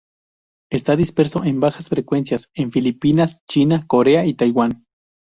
Está disperso en bajas frecuencias en Filipinas, China, Corea y Taiwán.